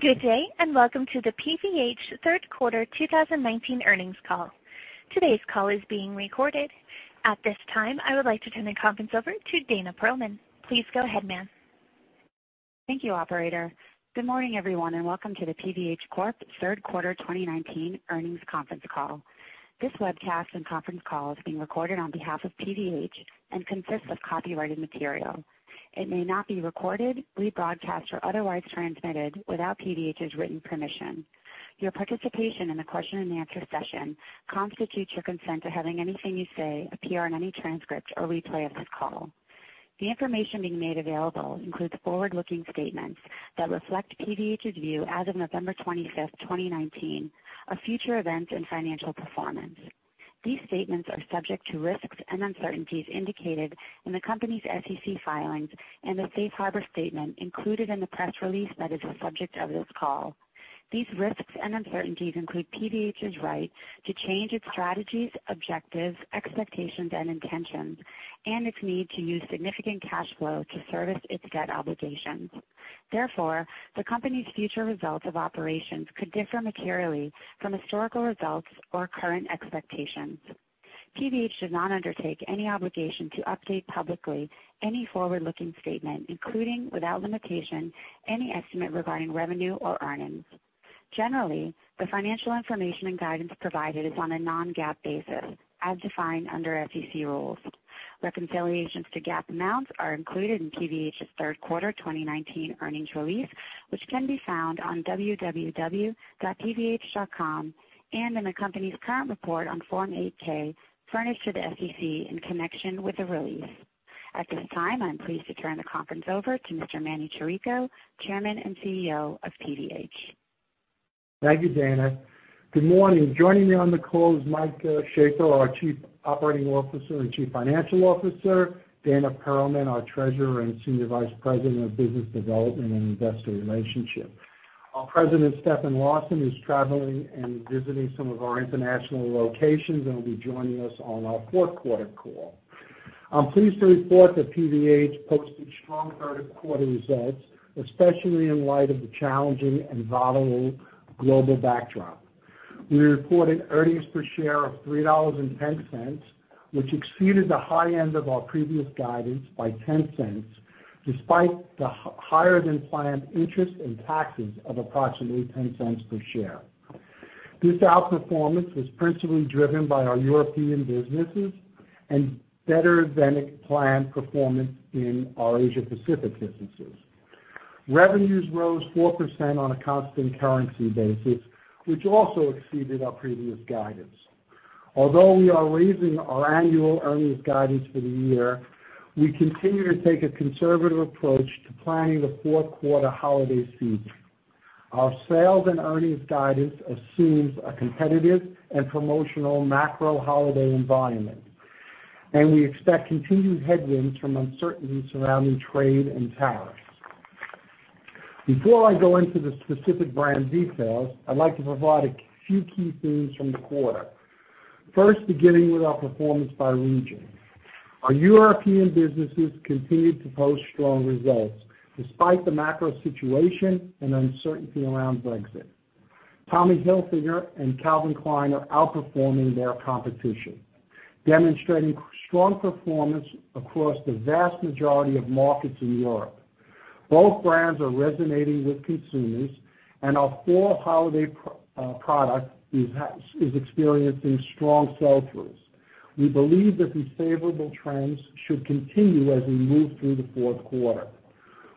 Good day, and welcome to the PVH third quarter 2019 earnings call. Today's call is being recorded. At this time, I would like to turn the conference over to Dana Perlman. Please go ahead, ma'am. Thank you, operator. Good morning, everyone, and welcome to the PVH Corp third quarter 2019 earnings conference call. This webcast and conference call is being recorded on behalf of PVH and consists of copyrighted material. It may not be recorded, rebroadcast, or otherwise transmitted without PVH's written permission. Your participation in the question-and-answer session constitutes your consent to having anything you say appear in any transcript or replay of this call. The information being made available includes forward-looking statements that reflect PVH's view as of November 25th, 2019, of future events and financial performance. These statements are subject to risks and uncertainties indicated in the company's SEC filings and the safe harbor statement included in the press release that is the subject of this call. These risks and uncertainties include PVH's right to change its strategies, objectives, expectations, and intentions, and its need to use significant cash flow to service its debt obligations. The company's future results of operations could differ materially from historical results or current expectations. PVH should not undertake any obligation to update publicly any forward-looking statement, including, without limitation, any estimate regarding revenue or earnings. Generally, the financial information and guidance provided is on a non-GAAP basis, as defined under SEC rules. Reconciliations to GAAP amounts are included in PVH's third quarter 2019 earnings release, which can be found on www.pvh.com, and in the company's current report on Form 8-K furnished to the SEC in connection with the release. At this time, I'm pleased to turn the conference over to Mr. Manny Chirico, Chairman and CEO of PVH. Thank you, Dana. Good morning. Joining me on the call is Mike Shaffer, our Chief Operating Officer and Chief Financial Officer, Dana Perlman, our Treasurer and Senior Vice President of Business Development and Investor Relations. Our President, Stefan Larsson, is traveling and visiting some of our international locations and will be joining us on our fourth quarter call. I'm pleased to report that PVH posted strong third quarter results, especially in light of the challenging and volatile global backdrop. We reported earnings per share of $3.10, which exceeded the high end of our previous guidance by $0.10, despite the higher-than-planned interest and taxes of approximately $0.10 per share. This outperformance was principally driven by our European businesses and better-than-planned performance in our Asia Pacific businesses. Revenues rose 4% on a constant currency basis, which also exceeded our previous guidance. Although we are raising our annual earnings guidance for the year, we continue to take a conservative approach to planning the fourth quarter holiday season. Our sales and earnings guidance assumes a competitive and promotional macro holiday environment, and we expect continued headwinds from uncertainty surrounding trade and tariffs. Before I go into the specific brand details, I'd like to provide a few key themes from the quarter. First, beginning with our performance by region. Our European businesses continued to post strong results despite the macro situation and uncertainty around Brexit. Tommy Hilfiger and Calvin Klein are outperforming their competition, demonstrating strong performance across the vast majority of markets in Europe. Both brands are resonating with consumers, and our fall holiday product is experiencing strong sell-throughs. We believe that these favorable trends should continue as we move through the fourth quarter.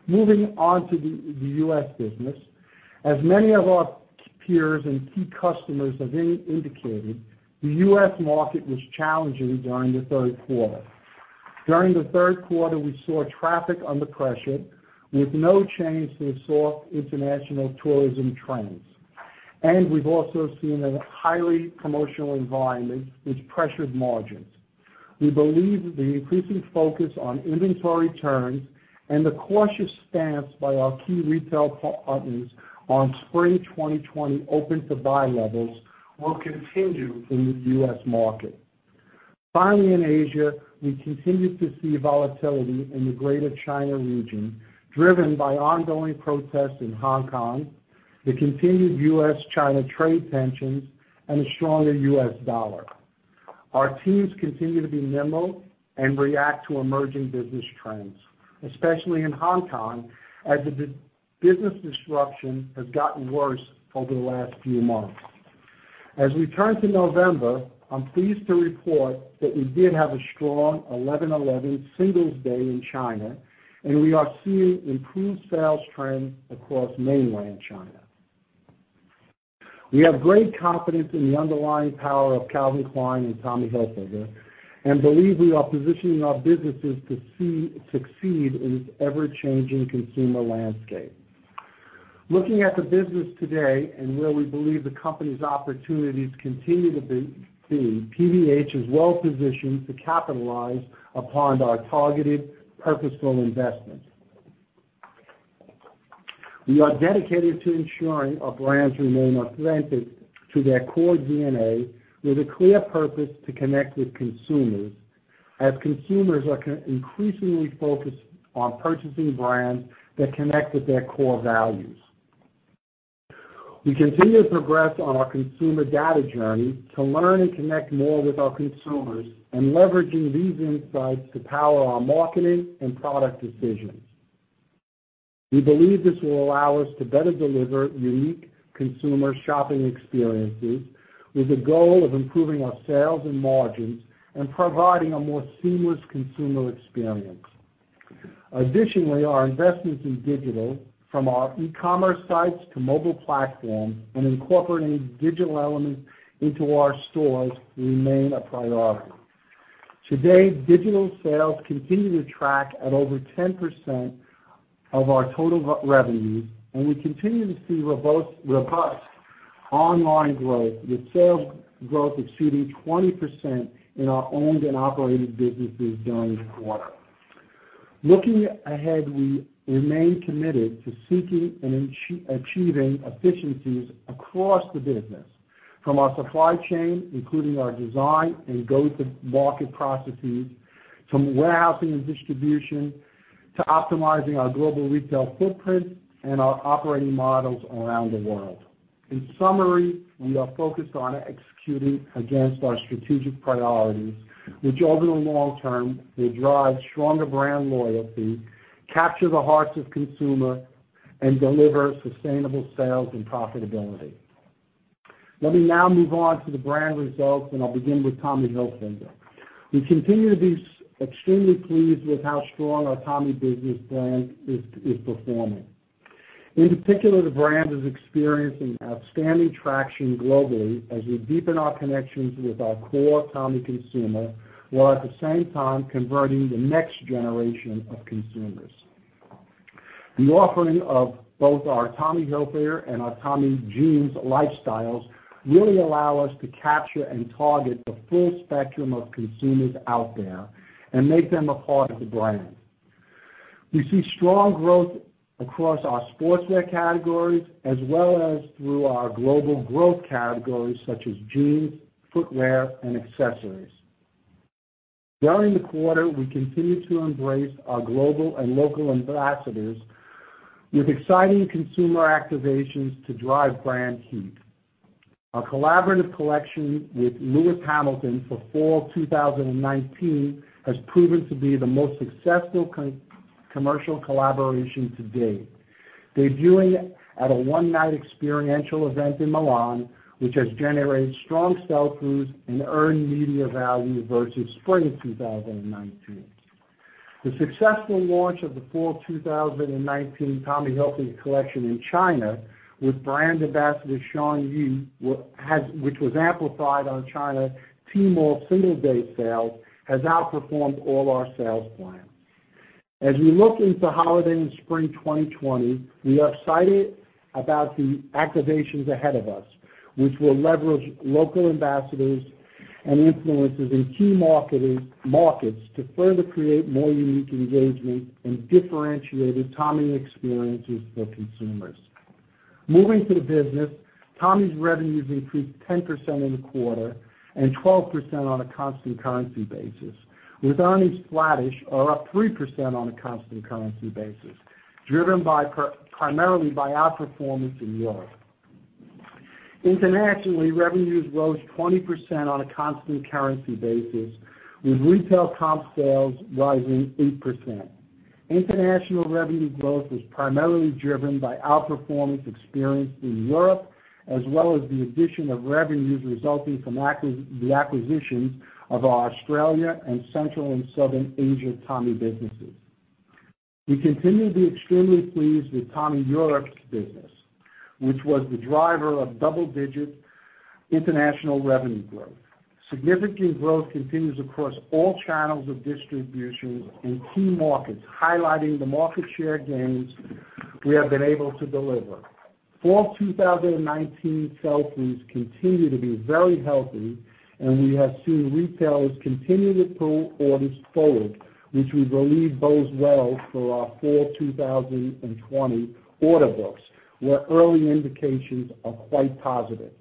Moving on to the U.S. business. As many of our peers and key customers have indicated, the U.S. market was challenging during the third quarter. During the third quarter, we saw traffic under pressure, with no change to the soft international tourism trends, and we've also seen a highly promotional environment which pressured margins. We believe the increasing focus on inventory turns and the cautious stance by our key retail partners on spring 2020 open-to-buy levels will continue in the U.S. market. Finally, in Asia, we continue to see volatility in the Greater China region, driven by ongoing protests in Hong Kong, the continued U.S.-China trade tensions, and a stronger U.S. dollar. Our teams continue to be nimble and react to emerging business trends, especially in Hong Kong, as the business disruption has gotten worse over the last few months. As we turn to November, I'm pleased to report that we did have a strong 11/11 Singles Day in China, and we are seeing improved sales trends across mainland China. We have great confidence in the underlying power of Calvin Klein and Tommy Hilfiger and believe we are positioning our businesses to succeed in this ever-changing consumer landscape. Looking at the business today and where we believe the company's opportunities continue to be, PVH is well positioned to capitalize upon our targeted, purposeful investments. We are dedicated to ensuring our brands remain authentic to their core DNA, with a clear purpose to connect with consumers. As consumers are increasingly focused on purchasing brands that connect with their core values. We continue to progress on our consumer data journey to learn and connect more with our consumers, and leveraging these insights to power our marketing and product decisions. We believe this will allow us to better deliver unique consumer shopping experiences with the goal of improving our sales and margins, and providing a more seamless consumer experience. Additionally, our investments in digital, from our e-commerce sites to mobile platform and incorporating digital elements into our stores remain a priority. Today, digital sales continue to track at over 10% of our total revenue, and we continue to see robust online growth, with sales growth exceeding 20% in our owned and operated businesses during the quarter. Looking ahead, we remain committed to seeking and achieving efficiencies across the business, from our supply chain, including our design and go-to-market processes, from warehousing and distribution, to optimizing our global retail footprint and our operating models around the world. In summary, we are focused on executing against our strategic priorities, which over the long term, will drive stronger brand loyalty, capture the hearts of consumer, and deliver sustainable sales and profitability. Let me now move on to the brand results, and I'll begin with Tommy Hilfiger. We continue to be extremely pleased with how strong our Tommy business brand is performing. In particular, the brand is experiencing outstanding traction globally as we deepen our connections with our core Tommy consumer, while at the same time converting the next generation of consumers. The offering of both our Tommy Hilfiger and our Tommy Jeans lifestyles really allow us to capture and target the full spectrum of consumers out there and make them a part of the brand. We see strong growth across our sportswear categories as well as through our global growth categories such as jeans, footwear, and accessories. During the quarter, we continued to embrace our global and local ambassadors with exciting consumer activations to drive brand heat. Our collaborative collection with Lewis Hamilton for fall 2019 has proven to be the most successful commercial collaboration to date, debuting at a one-night experiential event in Milan, which has generated strong sell-throughs and earned media value versus spring 2019. The successful launch of the fall 2019 Tommy Hilfiger collection in China with brand ambassador Shawn Yue, which was amplified on China Tmall Singles' Day sales, has outperformed all our sales plans. As we look into holiday and spring 2020, we are excited about the activations ahead of us, which will leverage local ambassadors and influencers in key markets to further create more unique engagement and differentiated Tommy experiences for consumers. Moving to the business, Tommy's revenues increased 10% in the quarter and 12% on a constant currency basis, with earnings flattish or up 3% on a constant currency basis, driven primarily by outperformance in Europe. Internationally, revenues rose 20% on a constant currency basis, with retail comp sales rising 8%. International revenue growth was primarily driven by outperformance experienced in Europe, as well as the addition of revenues resulting from the acquisition of our Australia and Central and Southeast Asia Tommy businesses. We continue to be extremely pleased with Tommy Europe business, which was the driver of double-digit international revenue growth. Significant growth continues across all channels of distribution in key markets, highlighting the market share gains we have been able to deliver. Fall 2019 sell-throughs continue to be very healthy. We have seen retailers continue to pull orders forward, which we believe bodes well for our fall 2020 order books, where early indications are quite positive.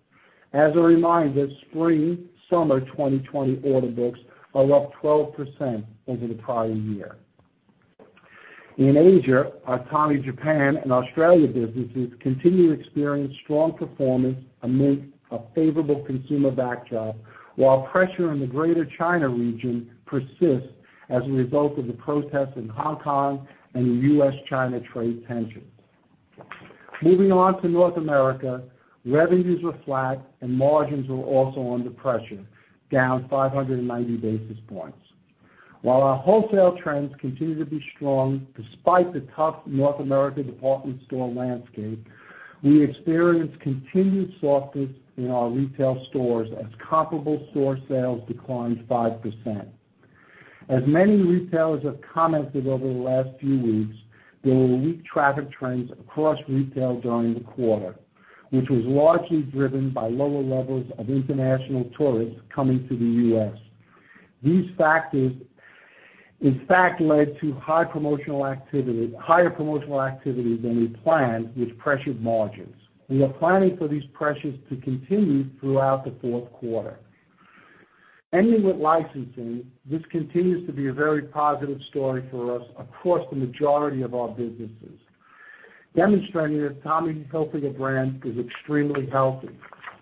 As a reminder, spring/summer 2020 order books are up 12% over the prior year. In Asia, our Tommy Japan and Australia businesses continue to experience strong performance amidst a favorable consumer backdrop while pressure in the Greater China region persists as a result of the protests in Hong Kong and the U.S.-China trade tensions. Moving on to North America, revenues were flat and margins were also under pressure, down 590 basis points. While our wholesale trends continue to be strong despite the tough North America department store landscape, we experienced continued softness in our retail stores as comparable store sales declined 5%. As many retailers have commented over the last few weeks, there were weak traffic trends across retail during the quarter, which was largely driven by lower levels of international tourists coming to the U.S. These factors in fact led to higher promotional activity than we planned, which pressured margins. We are planning for these pressures to continue throughout the fourth quarter. Ending with licensing, this continues to be a very positive story for us across the majority of our businesses, demonstrating the Tommy Hilfiger brand is extremely healthy.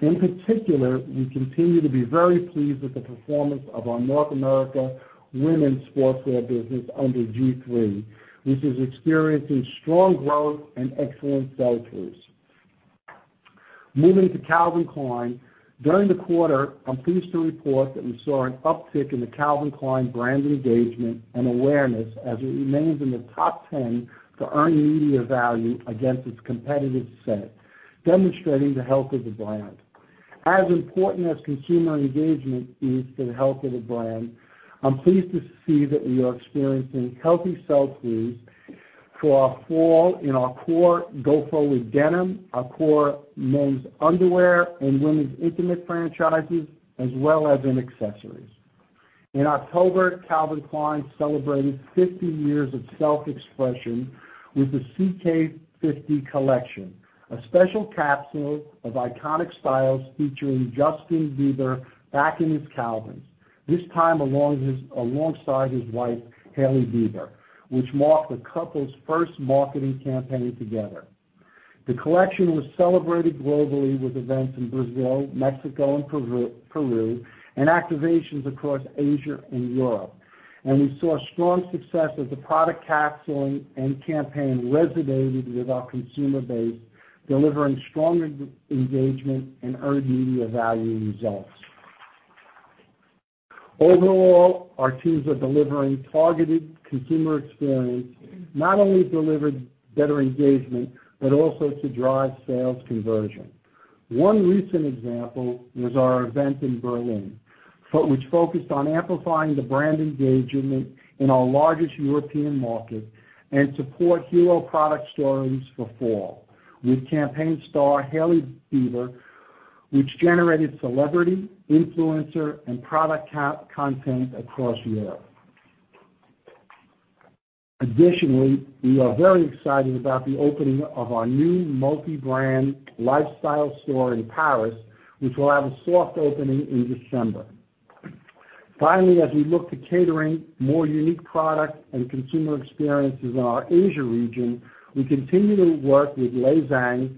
In particular, we continue to be very pleased with the performance of our North America women's sportswear business under G-III, which is experiencing strong growth and excellent sell-throughs. Moving to Calvin Klein. During the quarter, I'm pleased to report that we saw an uptick in the Calvin Klein brand engagement and awareness as it remains in the top 10 for earned media value against its competitive set, demonstrating the health of the brand. As important as consumer engagement is to the health of the brand, I'm pleased to see that we are experiencing healthy sell-throughs for our fall in our core go-forward denim, our core men's underwear and women's intimate franchises, as well as in accessories. In October, Calvin Klein celebrated 50 years of self-expression with the CK50 Collection, a special capsule of iconic styles featuring Justin Bieber back in his Calvins. This time, alongside his wife, Hailey Bieber, which marked the couple's first marketing campaign together. The collection was celebrated globally with events in Brazil, Mexico, and Peru, and activations across Asia and Europe, and we saw strong success as the product capsule and campaign resonated with our consumer base, delivering strong engagement and earned media value results. Overall, our teams are delivering targeted consumer experience, not only to deliver better engagement, but also to drive sales conversion. One recent example was our event in Berlin, which focused on amplifying the brand engagement in our largest European market and support hero product stories for fall, with campaign star Hailey Bieber, which generated celebrity, influencer, and product content across Europe. Additionally, we are very excited about the opening of our new multi-brand lifestyle store in Paris, which will have a soft opening in December. Finally, as we look to catering more unique product and consumer experiences in our Asia region, we continue to work with Lay Zhang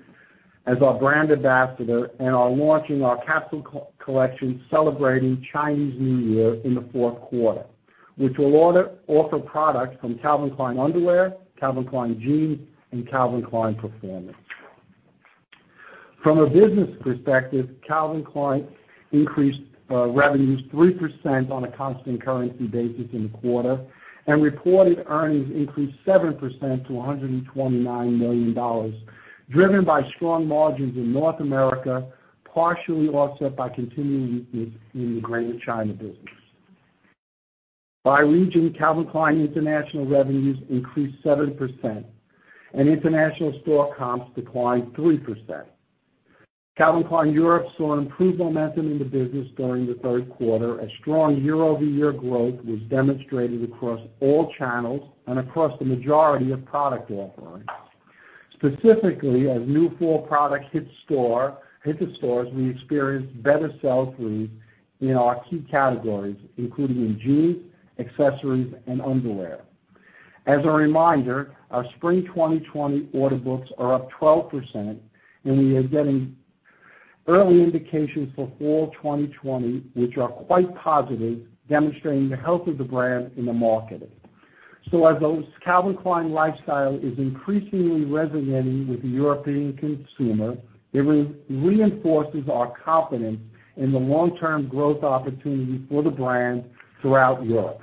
as our brand ambassador and are launching our capsule collection celebrating Chinese New Year in the fourth quarter, which will offer products from Calvin Klein Underwear, Calvin Klein Jeans, and Calvin Klein Performance. From a business perspective, Calvin Klein increased revenues 3% on a constant currency basis in the quarter, and reported earnings increased 7% to $129 million, driven by strong margins in North America, partially offset by continuing weakness in the Greater China business. By region, Calvin Klein international revenues increased 7%, and international store comps declined 3%. Calvin Klein Europe saw improved momentum in the business during the third quarter. A strong year-over-year growth was demonstrated across all channels and across the majority of product offerings. Specifically, as new fall product hit the stores, we experienced better sell-throughs in our key categories, including in jeans, accessories, and underwear. As a reminder, our spring 2020 order books are up 12%, and we are getting early indications for fall 2020, which are quite positive, demonstrating the health of the brand in the market. As Calvin Klein Lifestyle is increasingly resonating with the European consumer, it reinforces our confidence in the long-term growth opportunity for the brand throughout Europe.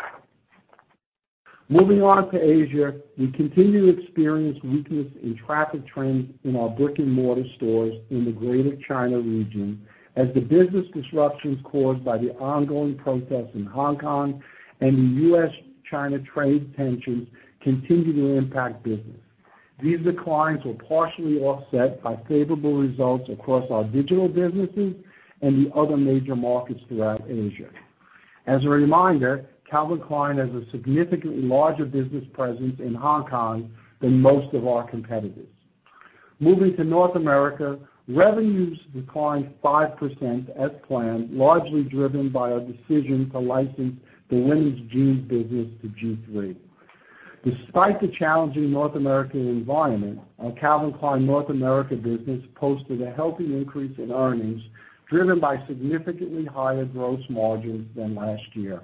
Moving on to Asia, we continue to experience weakness in traffic trends in our brick-and-mortar stores in the Greater China region as the business disruptions caused by the ongoing protests in Hong Kong and the U.S.-China trade tensions continue to impact business. These declines were partially offset by favorable results across our digital businesses and the other major markets throughout Asia. As a reminder, Calvin Klein has a significantly larger business presence in Hong Kong than most of our competitors. Moving to North America, revenues declined 5% as planned, largely driven by our decision to license the women's jeans business to G-III. Despite the challenging North American environment, our Calvin Klein North America business posted a healthy increase in earnings driven by significantly higher gross margins than last year.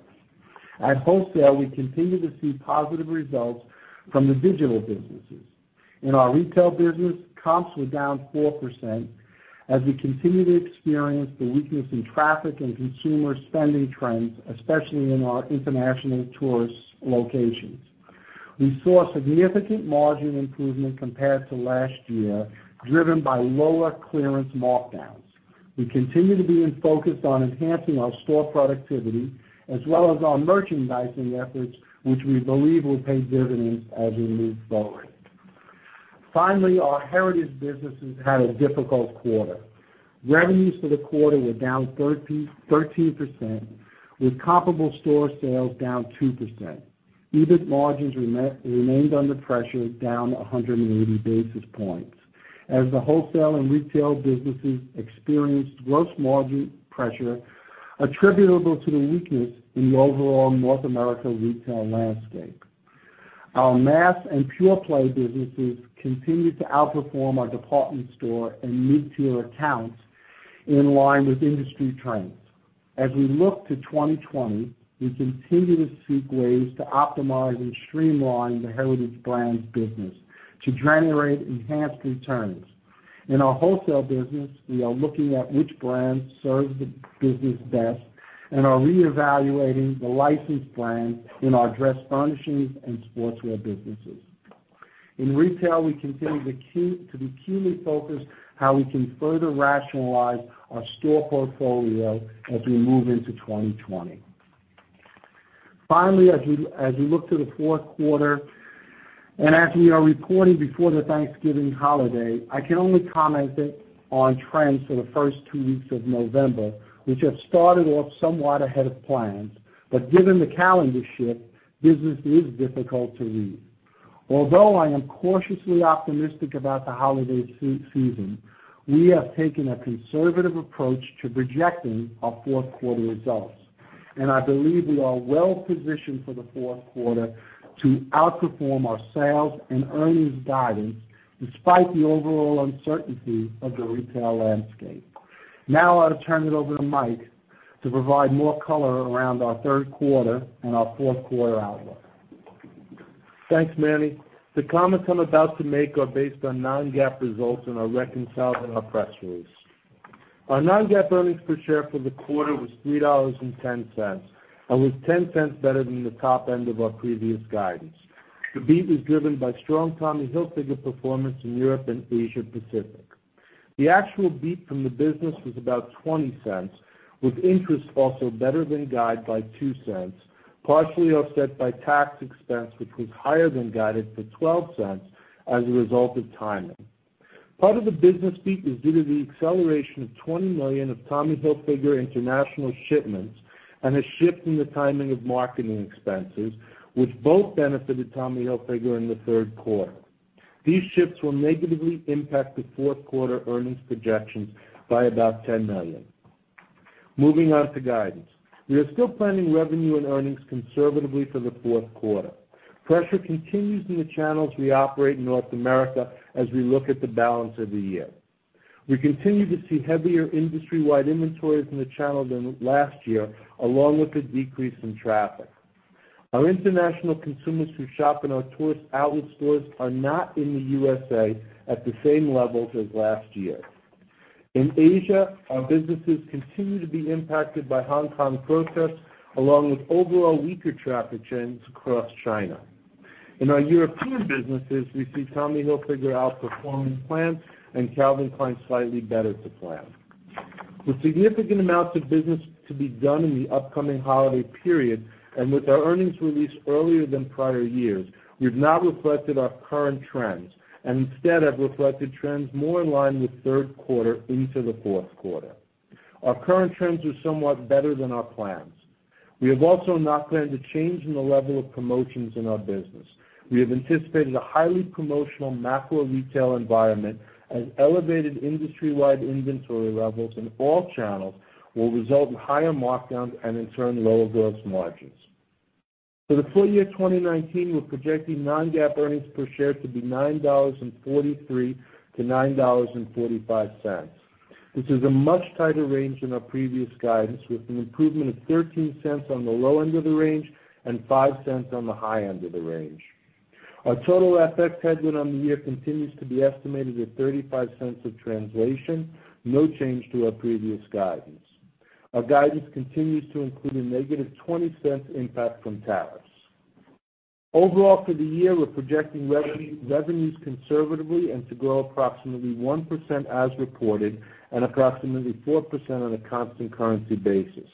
At wholesale, we continue to see positive results from the digital businesses. In our retail business, comps were down 4% as we continue to experience the weakness in traffic and consumer spending trends, especially in our international tourist locations. We saw significant margin improvement compared to last year, driven by lower clearance markdowns. We continue to be focused on enhancing our store productivity as well as our merchandising efforts, which we believe will pay dividends as we move forward. Finally, our heritage businesses had a difficult quarter. Revenues for the quarter were down 13%, with comparable store sales down 2%. EBIT margins remained under pressure, down 180 basis points, as the wholesale and retail businesses experienced gross margin pressure attributable to the weakness in the overall North America retail landscape. Our mass and pure-play businesses continued to outperform our department store and mid-tier accounts in line with industry trends. As we look to 2020, we continue to seek ways to optimize and streamline the heritage brands business to generate enhanced returns. In our wholesale business, we are looking at which brands serve the business best and are reevaluating the licensed brands in our dress furnishings and sportswear businesses. In retail, we continue to be keenly focused how we can further rationalize our store portfolio as we move into 2020. Finally, as we look to the fourth quarter, and as we are reporting before the Thanksgiving holiday, I can only comment on trends for the first two weeks of November, which have started off somewhat ahead of plans. Given the calendar shift, business is difficult to read. I am cautiously optimistic about the holiday season, we have taken a conservative approach to projecting our fourth quarter results, and I believe we are well positioned for the fourth quarter to outperform our sales and earnings guidance despite the overall uncertainty of the retail landscape. Now I'll turn it over to Mike to provide more color around our third quarter and our fourth quarter outlook. Thanks, Manny. The comments I'm about to make are based on non-GAAP results and are reconciled in our press release. Our non-GAAP earnings per share for the quarter was $3.10 and was $0.10 better than the top end of our previous guidance. The beat was driven by strong Tommy Hilfiger performance in Europe and Asia Pacific. The actual beat from the business was about $0.20, with interest also better than guide by $0.02, partially offset by tax expense, which was higher than guided for $0.12 as a result of timing. Part of the business beat was due to the acceleration of $20 million of Tommy Hilfiger International shipments and a shift in the timing of marketing expenses, which both benefited Tommy Hilfiger in the third quarter. These shifts will negatively impact the fourth quarter earnings projections by about $10 million. Moving on to guidance. We are still planning revenue and earnings conservatively for the fourth quarter. Pressure continues in the channels we operate in North America as we look at the balance of the year. We continue to see heavier industry-wide inventories in the channel than last year, along with a decrease in traffic. Our international consumers who shop in our tourist outlet stores are not in the U.S.A. at the same levels as last year. In Asia, our businesses continue to be impacted by Hong Kong protests, along with overall weaker traffic trends across China. In our European businesses, we see Tommy Hilfiger outperforming plans and Calvin Klein slightly better to plan. With significant amounts of business to be done in the upcoming holiday period, with our earnings release earlier than prior years, we've not reflected our current trends and instead have reflected trends more in line with third quarter into the fourth quarter. Our current trends are somewhat better than our plans. We have also not planned a change in the level of promotions in our business. We have anticipated a highly promotional macro retail environment as elevated industry-wide inventory levels in all channels will result in higher markdowns and in turn, lower gross margins. For the full year 2019, we're projecting non-GAAP earnings per share to be $9.43-$9.45. This is a much tighter range than our previous guidance, with an improvement of $0.13 on the low end of the range and $0.05 on the high end of the range. Our total FX headwind on the year continues to be estimated at $0.35 of translation, no change to our previous guidance. Our guidance continues to include a negative $0.20 impact from tariffs. Overall, for the year, we're projecting revenues conservatively and to grow approximately 1% as reported and approximately 4% on a constant currency basis.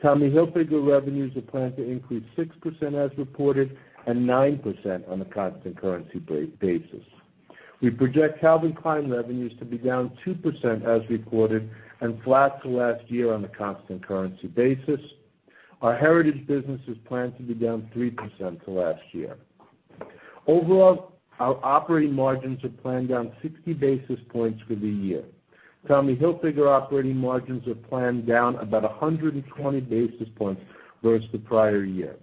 Tommy Hilfiger revenues are planned to increase 6% as reported and 9% on a constant currency basis. We project Calvin Klein revenues to be down 2% as reported and flat to last year on a constant currency basis. Our heritage business is planned to be down 3% to last year. Overall, our operating margins are planned down 60 basis points for the year. Tommy Hilfiger operating margins are planned down about 120 basis points versus the prior year.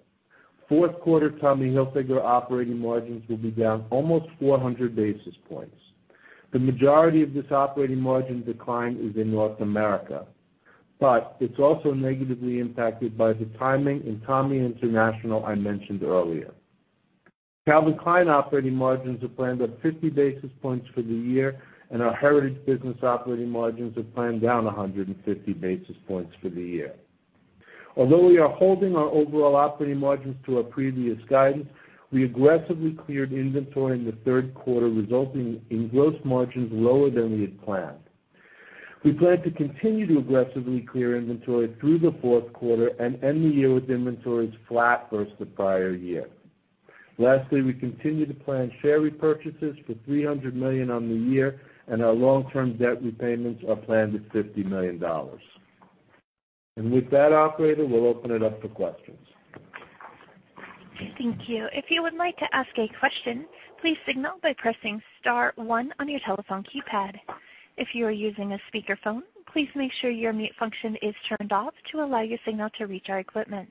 Fourth quarter Tommy Hilfiger operating margins will be down almost 400 basis points. The majority of this operating margin decline is in North America, but it's also negatively impacted by the timing in Tommy International I mentioned earlier. Calvin Klein operating margins are planned up 50 basis points for the year, and our heritage business operating margins are planned down 150 basis points for the year. Although we are holding our overall operating margins to our previous guidance, we aggressively cleared inventory in the third quarter, resulting in gross margins lower than we had planned. We plan to continue to aggressively clear inventory through the fourth quarter and end the year with inventories flat versus the prior year. Lastly, we continue to plan share repurchases for $300 million on the year, and our long-term debt repayments are planned at $50 million. With that, operator, we'll open it up for questions. Thank you. If you would like to ask a question, please signal by pressing star one on your telephone keypad. If you are using a speakerphone, please make sure your mute function is turned off to allow your signal to reach our equipment.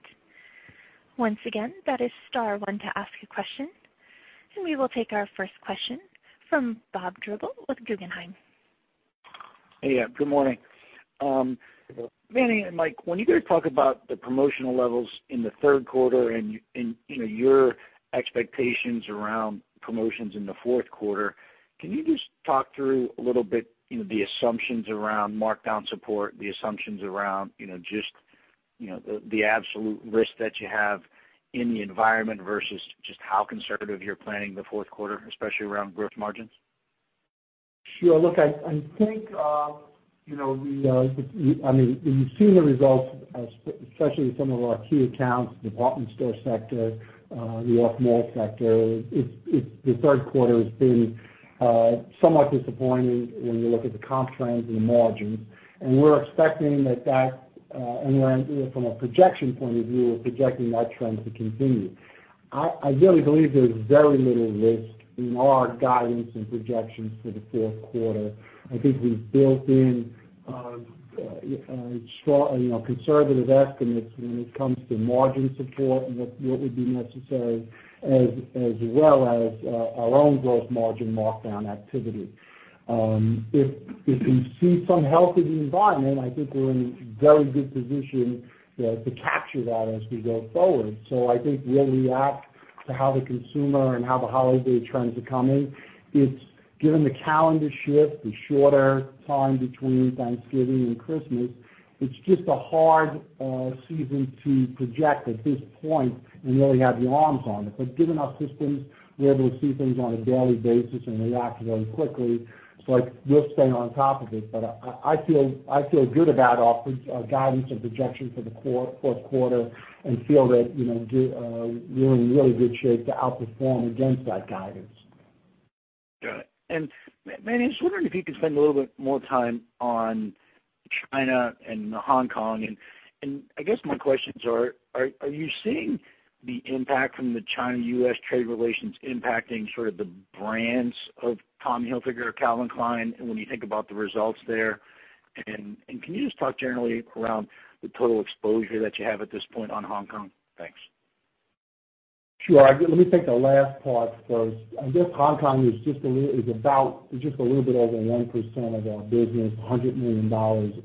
Once again, that is star one to ask a question. We will take our first question from Bob Drbul with Guggenheim. Hey. Good morning. Good morning. Manny and Mike, when you guys talk about the promotional levels in the third quarter and your expectations around promotions in the fourth quarter, can you just talk through a little bit the assumptions around markdown support, the assumptions around just the absolute risk that you have in the environment versus just how conservative you're planning the fourth quarter, especially around gross margins? Sure. Look, I think, when you see the results, especially some of our key accounts, department store sector, the off-mall sector, the third quarter has been somewhat disappointing when you look at the comp trends and the margins. From a projection point of view, we're projecting that trend to continue. I really believe there's very little risk in our guidance and projections for the fourth quarter. I think we've built in conservative estimates when it comes to margin support and what would be necessary, as well as our own gross margin markdown activity. If we see some health in the environment, I think we're in a very good position to capture that as we go forward. I think we'll react to how the consumer and how the holiday trends are coming. Given the calendar shift, the shorter time between Thanksgiving and Christmas, it's just a hard season to project at this point, and really have your arms on it. Given our systems, we're able to see things on a daily basis and react very quickly. I will stay on top of it. I feel good about our guidance and projection for the fourth quarter and feel that we're in really good shape to outperform against that guidance. Got it. Manny, I was wondering if you could spend a little bit more time on China and Hong Kong, I guess my questions are: Are you seeing the impact from the China-U.S. trade relations impacting sort of the brands of Tommy Hilfiger or Calvin Klein, and when you think about the results there? Can you just talk generally about the total exposure that you have at this point on Hong Kong? Thanks. Sure. Let me take the last part first. I guess Hong Kong is just a little bit over 1% of our business, $100 million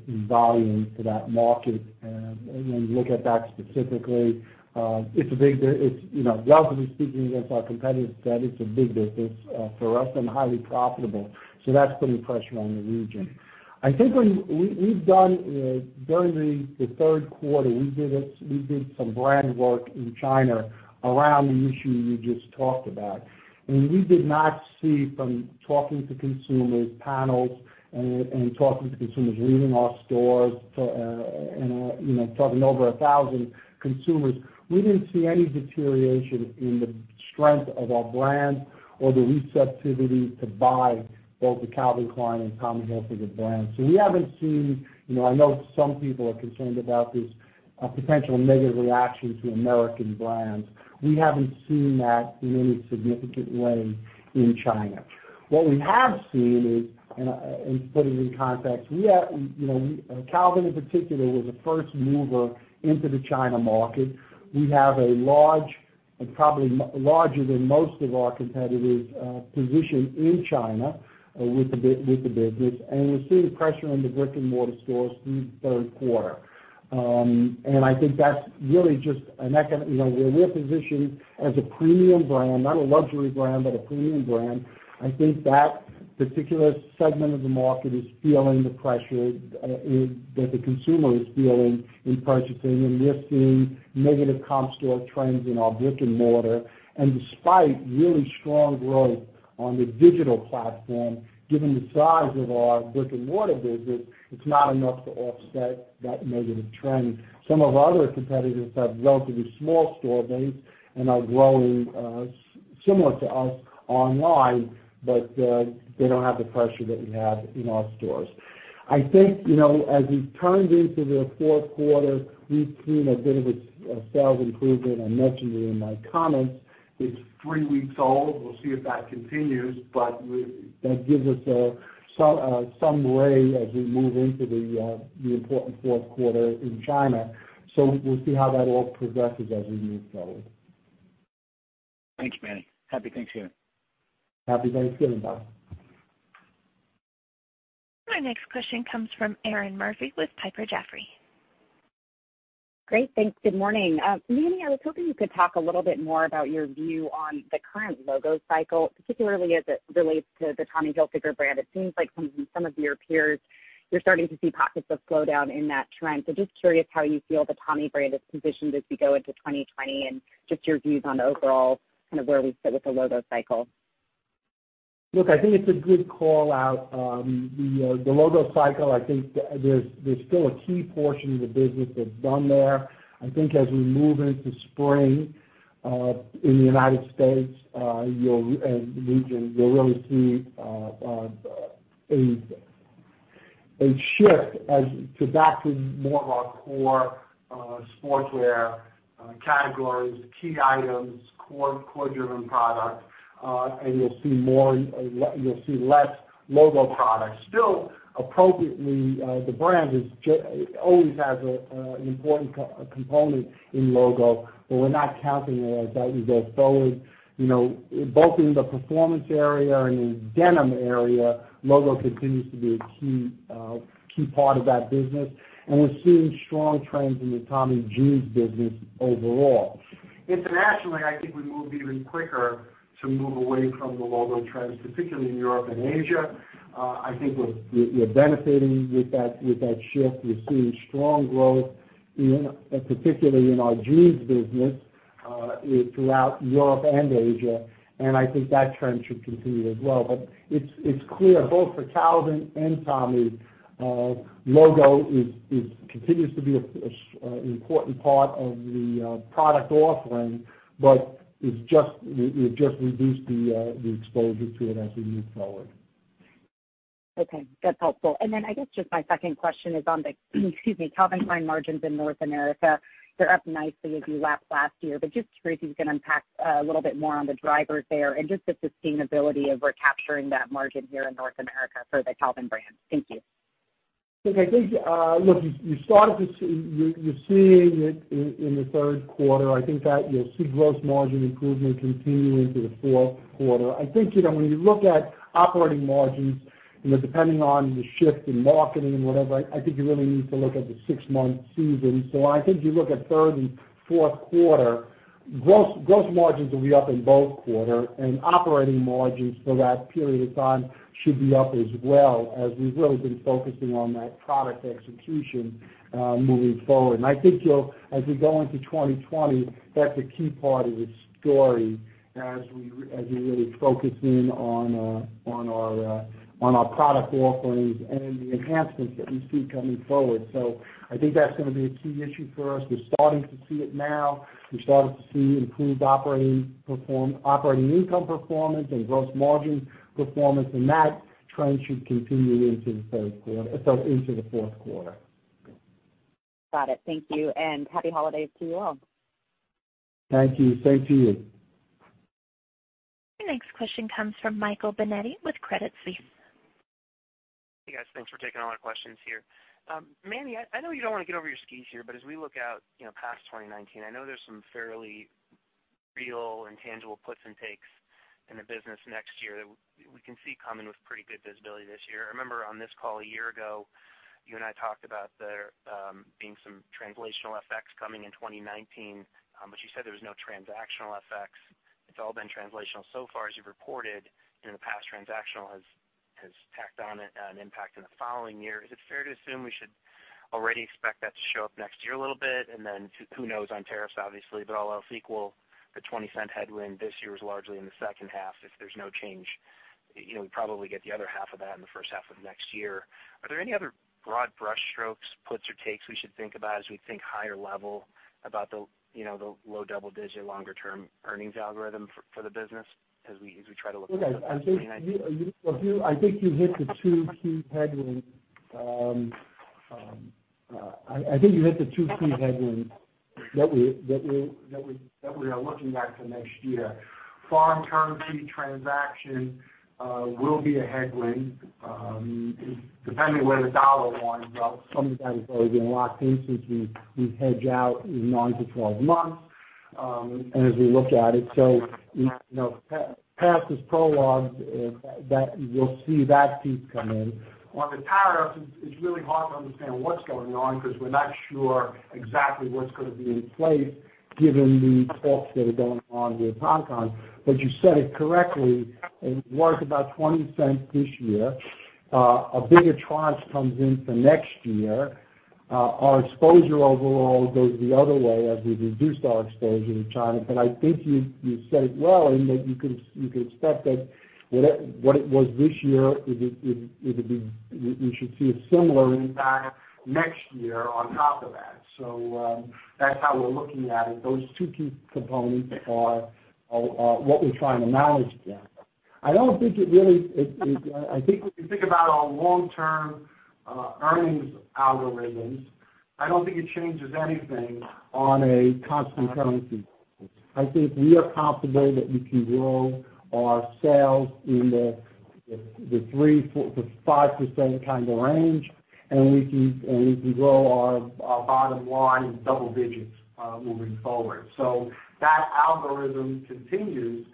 in volume for that market. When you look at that specifically, relatively speaking, against our competitors, that is a big business for us and highly profitable. That's putting pressure on the region. I think during the third quarter, we did some brand work in China around the issue you just talked about. From talking to consumers, panels, and talking to consumers leaving our stores, and talking to over 1,000 consumers, we didn't see any deterioration in the strength of our brand or the receptivity to buy both the Calvin Klein and Tommy Hilfiger brands. We haven't seen. I know some people are concerned about this potential negative reaction to American brands. We haven't seen that in any significant way in China. What we have seen is, and to put it in context, Calvin in particular, was a first mover into the China market. We have a large, and probably larger than most of our competitors, position in China with the business, and we're seeing pressure on the brick-and-mortar stores through the third quarter. I think that's really just where we're positioned as a premium brand, not a luxury brand, but a premium brand. I think that particular segment of the market is feeling the pressure that the consumer is feeling in purchasing, and we're seeing negative comp store trends in our brick-and-mortar. Despite really strong growth on the digital platform, given the size of our brick-and-mortar business, it's not enough to offset that negative trend. Some of our other competitors have a relatively small store base and are growing similar to us online, but they don't have the pressure that we have in our stores. I think, as we turned into the fourth quarter, we've seen a bit of a sales improvement. I mentioned it in my comments. It's three weeks old. We'll see if that continues, but that gives us some way as we move into the important fourth quarter in China. We'll see how that all progresses as we move forward. Thanks, Manny. Happy Thanksgiving. Happy Thanksgiving, Bob. Our next question comes from Erinn Murphy with Piper Jaffray. Great. Thanks. Good morning. Manny, I was hoping you could talk a little bit more about your view on the current logo cycle, particularly as it relates to the Tommy Hilfiger brand. It seems like some of your peers, you're starting to see pockets of slowdown in that trend. Just curious how you feel the Tommy brand is positioned as we go into 2020, and just your views on overall, where we sit with the logo cycle. Look, I think it's a good call-out. The logo cycle, I think there's still a key portion of the business that's done there. I think as we move into spring in the U.S. region, you'll really see a shift as to back to more of our core sportswear categories, key items, core-driven products. You'll see less logo products. Still, appropriately, the brand always has an important component in logo, but we're not counting it as that. We go forward, both in the performance area and in denim area, logo continues to be a key part of that business, and we're seeing strong trends in the Tommy Jeans business overall. Internationally, I think we moved even quicker to move away from the logo trends, particularly in Europe and Asia. I think we're benefiting with that shift. We're seeing strong growth, particularly in our jeans business, throughout Europe and Asia. I think that trend should continue as well. It's clear both for Calvin and Tommy, logo continues to be an important part of the product offering, but we've just reduced the exposure to it as we move forward. Okay, that's helpful. I guess just my second question is on the excuse me, Calvin Klein margins in North America. They're up nicely as you lap last year, but just curious if you can unpack a little bit more on the drivers there, and just the sustainability of recapturing that margin here in North America for the Calvin brand. Thank you. You're seeing it in the third quarter. I think that you'll see gross margin improvement continuing through the fourth quarter. I think, when you look at operating margins, depending on the shift in marketing and whatever, I think you really need to look at the six-month season. I think if you look at third and fourth quarters, gross margins will be up in both quarters, and operating margins for that period of time should be up as well, as we've really been focusing on that product execution moving forward. I think as we go into 2020, that's a key part of the story as we really focus in on our product offerings and the enhancements that we see coming forward. I think that's going to be a key issue for us. We're starting to see it now. We're starting to see improved operating income performance and gross margin performance. That trend should continue into the fourth quarter. Got it. Thank you, and happy holidays to you all. Thank you. Same to you. Your next question comes from Michael Binetti with Credit Suisse. Hey, guys. Thanks for taking all our questions here. Manny, I know you don't want to get over your skis here, as we look out past 2019, I know there's some fairly real and tangible puts and takes in the business next year that we can see coming with pretty good visibility this year. I remember on this call a year ago, you and I talked about there being some translational effects coming in 2019. You said there was no transactional effects. It's all been translational so far, as you've reported, in the past, transactional has tacked on an impact in the following year. Is it fair to assume we should already expect that to show up next year a little bit? Who knows on tariffs? Obviously, all else equal, the $0.20 headwind this year is largely in the second half. If there's no change, we probably get the other half of that in the first half of next year. Are there any other broad brushstrokes, puts or takes we should think about as we think higher level about the low double-digit longer-term earnings algorithm for the business as we try to look at 2019? I think you hit the two key headwinds that we are looking at for next year. Foreign currency transaction will be a headwind, depending on where the dollar winds up. Some of that has already been locked in since we hedge out 9-12 months. As we look at it, past is prologue, that you'll see that piece come in. On the tariffs, it's really hard to understand what's going on because we're not sure exactly what's going to be in place given the talks that are going on with Hong Kong. You said it correctly, it was about $0.20 this year. A bigger tranche comes in for next year. Our exposure overall goes the other way as we've reduced our exposure to China. I think you said it well in that you could expect that what it was this year, you should see a similar impact next year on top of that. That's how we're looking at it. Those two key components are what we're trying to manage there. I think if we think about our long-term earnings algorithms, I don't think it changes anything on a constant currency. I think we are comfortable that we can grow our sales in the 3%-5% kind of range, and we can grow our bottom line in double digits moving forward. That algorithm continues,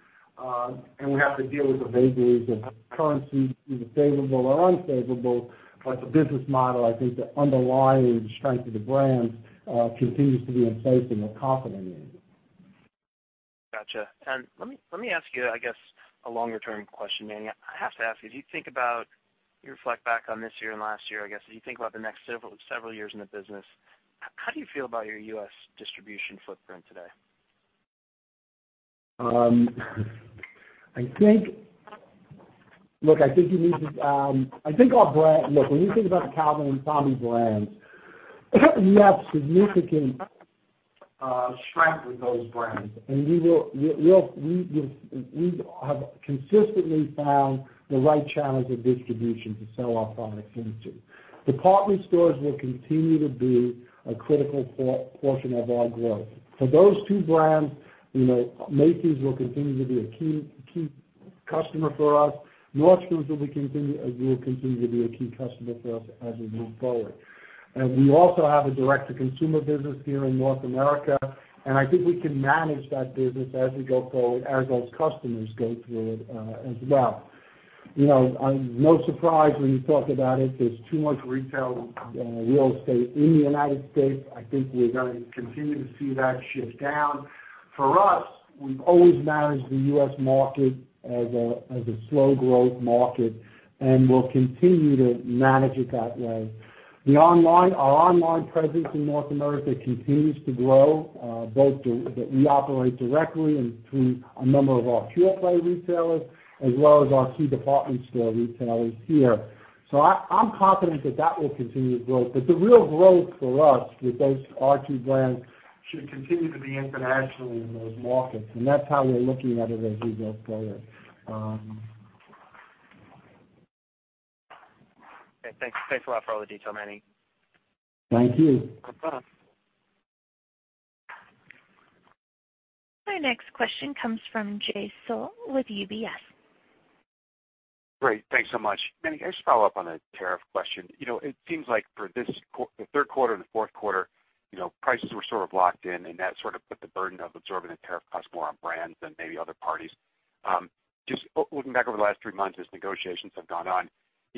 and we have to deal with the vagaries of currency, either favorable or unfavorable. The business model, I think the underlying strength of the brand continues to be in place, and we're confident in it. Got you. Let me ask you, I guess a longer-term question, Manny. I have to ask you, as you reflect back on this year and last year, I guess, as you think about the next several years in the business, how do you feel about your U.S. distribution footprint today? When you think about the Calvin and Tommy brands, we have significant strength with those brands. We have consistently found the right channels of distribution to sell our products into. Department stores will continue to be a critical portion of our growth. For those two brands, Macy's will continue to be a key customer for us. Nordstrom will continue to be a key customer for us as we move forward. We also have a direct-to-consumer business here in North America, and I think we can manage that business as we go forward, as those customers go forward as well. No surprise when you talk about it, there's too much retail real estate in the U.S. I think we're going to continue to see that shift down. For us, we've always managed the U.S. market as a slow-growth market, and we'll continue to manage it that way. Our online presence in North America continues to grow, both that we operate directly and through a number of our pure-play retailers, as well as our key department store retailers here. I'm confident that that will continue to grow. The real growth for us with those our two brands should continue to be internationally in those markets, and that's how we're looking at it as we go forward. Okay. Thanks a lot for all the detail, Manny. Thank you. No problem. Our next question comes from Jay Sole with UBS. Great. Thanks so much. Manny, can I just follow up on a tariff question? It seems like for the third quarter and the fourth quarter, prices were sort of locked in, and that sort of put the burden of absorbing the tariff cost more on brands than maybe other parties. Just looking back over the last three months as negotiations have gone on,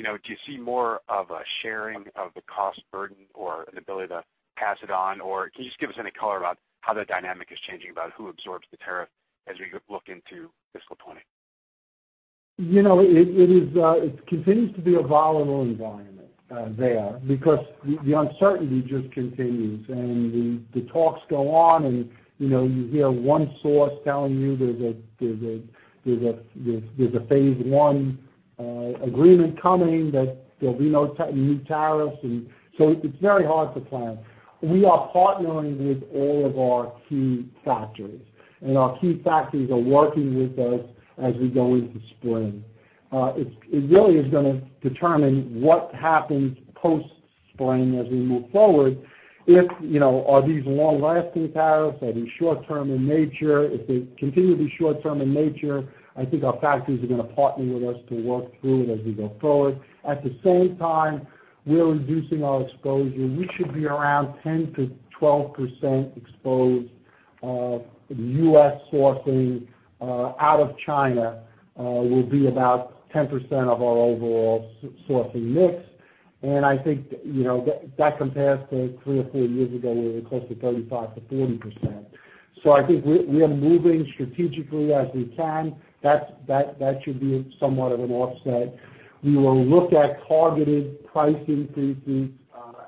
do you see more of a sharing of the cost burden or an ability to pass it on? Can you just give us any color about how the dynamic is changing about who absorbs the tariff as we look into fiscal 2020? It continues to be a volatile environment there because the uncertainty just continues, and the talks go on, and you hear one source telling you there's a phase 1 agreement coming, that there'll be no new tariffs, and so it's very hard to plan. We are partnering with all of our key factories, and our key factories are working with us as we go into spring. It really is going to determine what happens post-spring as we move forward. Are these long-lasting tariffs? Are they short-term in nature? If they continue to be short-term in nature, I think our factories are going to partner with us to work through it as we go forward. At the same time, we're reducing our exposure. We should be around 10%-12% exposed. U.S. sourcing out of China will be about 10% of our overall sourcing mix. I think that compares to three or four years ago, where we were close to 35%-40%. I think we are moving strategically as we can. That should be somewhat of an offset. We will look at targeted price increases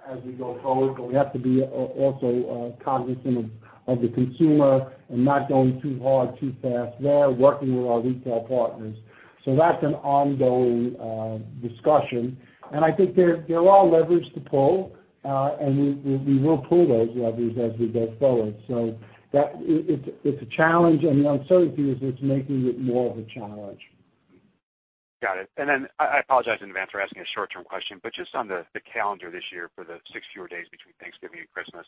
as we go forward, but we have to be also cognizant of the consumer and not going too hard too fast there, working with our retail partners. That's an ongoing discussion, and I think there are leverages to pull, and we will pull those levers as we go forward. It's a challenge, and the uncertainty is just making it more of a challenge. Got it. I apologize in advance for asking a short-term question, but just on the calendar this year for the six fewer days between Thanksgiving and Christmas.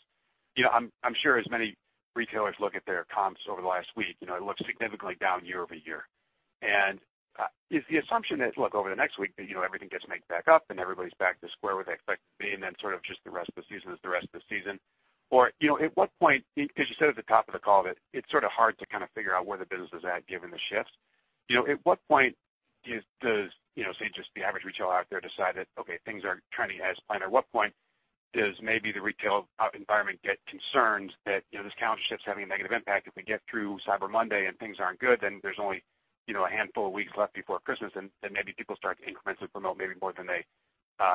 I'm sure as many retailers look at their comps over the last week, it looks significantly down year-over-year. Is the assumption that, look, over the next week, everything gets made back up and everybody's back to square where they expect to be, and then sort of just the rest of the season is the rest of the season? You said at the top of the call that it's sort of hard to kind of figure out where the business is at, given the shifts. Say just the average retailer out there decided, okay, things are trending as planned. At what point does maybe the retail environment get concerned that this calendar shift's having a negative impact? If we get through Cyber Monday and things aren't good, there's only a handful of weeks left before Christmas, maybe people start to incrementally promote maybe more than they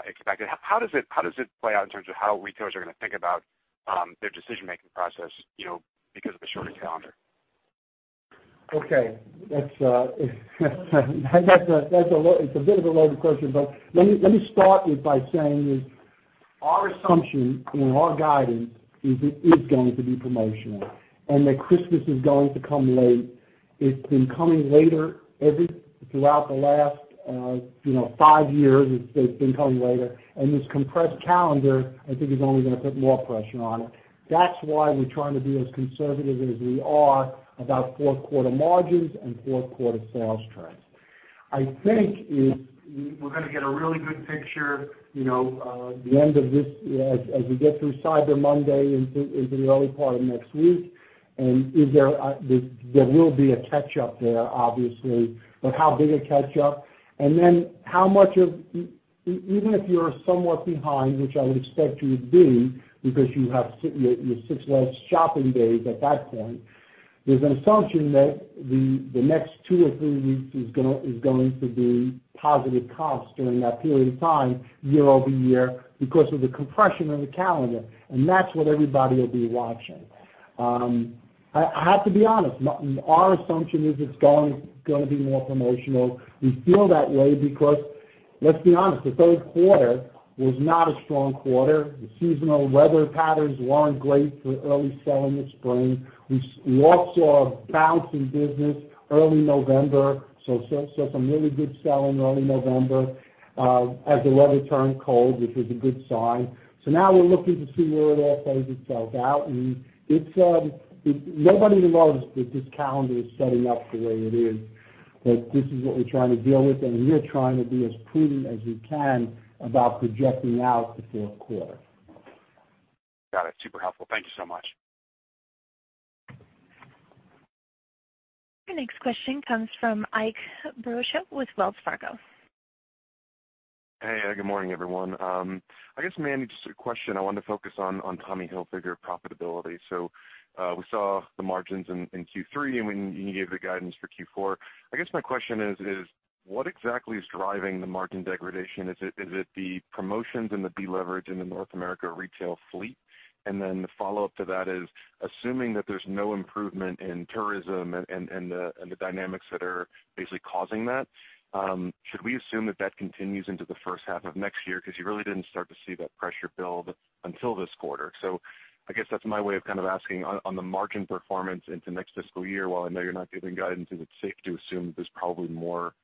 expected. How does it play out in terms of how retailers are going to think about their decision-making process because of the shorter calendar? Okay. That's a- it's a bit of a load of questions, but let me start it by saying that our assumption in our guidance is it is going to be promotional and that Christmas is going to come late. It's been coming later. Throughout the last five years, it's been coming later. This compressed calendar, I think, is only going to put more pressure on it. That's why we're trying to be as conservative as we are about fourth quarter margins and fourth quarter sales trends. I think we're going to get a really good picture as we get through Cyber Monday into the early part of next week. There will be a catch-up there, obviously. How big a catch-up? Even if you're somewhat behind, which I would expect you would be because you have your six less shopping days at that point. There's an assumption that the next two or three weeks is going to be positive comps during that period of time, year-over-year, because of the compression of the calendar, and that's what everybody will be watching. I have to be honest, our assumption is it's going to be more promotional. We feel that way because, let's be honest, the third quarter was not a strong quarter. The seasonal weather patterns weren't great for early sell in the spring. We also are bouncing business early November, saw some really good selling early November as the weather turned cold, which was a good sign. Now we're looking to see where that plays itself out. Nobody really knows that this calendar is setting up the way it is, but this is what we're trying to deal with, and we're trying to be as prudent as we can about projecting out the fourth quarter. Got it. Super helpful. Thank you so much. Your next question comes from Ike Boruchow with Wells Fargo. Hey. Good morning, everyone. I guess, Manny, just a question. I wanted to focus on Tommy Hilfiger profitability. We saw the margins in Q3, and when you gave the guidance for Q4. I guess my question is, what exactly is driving the margin degradation? Is it the promotions and the deleverage in the North America retail fleet? The follow-up to that is, assuming that there's no improvement in tourism and the dynamics that are basically causing that, should we assume that that continues into the first half of next year? Because you really didn't start to see that pressure build until this quarter. I guess that's my way of asking on the margin performance into the next fiscal year. While I know you're not giving guidance, is it safe to assume there's probably more